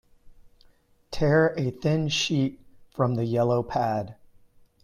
Tear a thin sheet from the yellow pad.